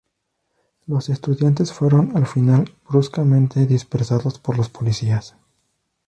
Los estudiantes fueron, al final, bruscamente dispersados por los policías.